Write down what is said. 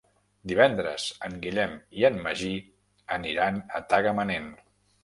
Divendres en Guillem i en Magí aniran a Tagamanent.